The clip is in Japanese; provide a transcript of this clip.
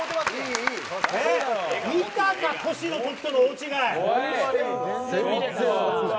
見たか、トシの時との大違い。